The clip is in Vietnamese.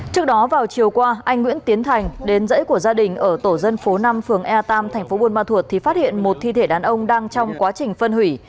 trước đó vào chiều qua anh nguyễn tiến thành đến dãy của gia đình ở tổ dân phố năm phường e tam thành phố buôn ma thuột thì phát hiện một thi thể đàn ông đang trong quá trình phân hủy